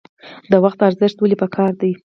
د وخت ارزښت ولې پکار دی؟